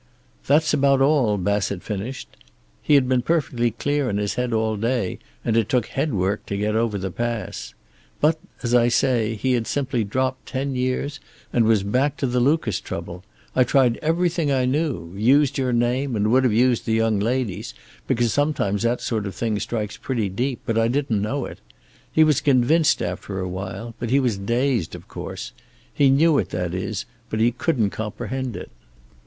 "That's about all," Bassett finished. "He had been perfectly clear in his head all day, and it took headwork to get over the pass. But, as I say, he had simply dropped ten years, and was back to the Lucas trouble. I tried everything I knew, used your name and would have used the young lady's, because sometimes that sort of thing strikes pretty deep, but I didn't know it. He was convinced after a while, but he was dazed, of course. He knew it, that is, but he couldn't comprehend it.